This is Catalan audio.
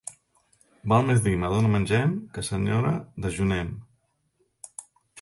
Val més dir «madona mengem», que «senyora dejunem».